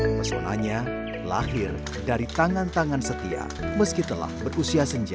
pesonanya lahir dari tangan tangan setia meski telah berusia senja